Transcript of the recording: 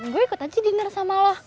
gua ikut aja diner sama lo